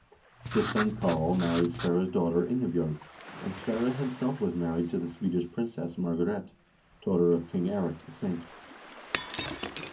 His son Karl married Sverre's daughter Ingebj0rg, and Sverre himself was married to the Swedish princess Margaret, daughter of King Eirik the Saint.